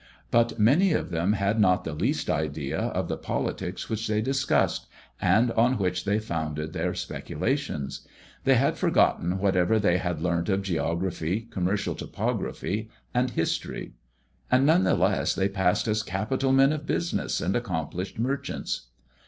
But many of them had not the least idea of the politics which they discussed, and on which they founded their speculations; they had forgotten whatever they had learnt of geography, commercial topography, and history; and nevertheless they passed as capital men of business and accomplished merchants.